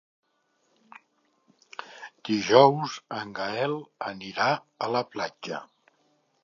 Dijous en Gaël anirà a la platja.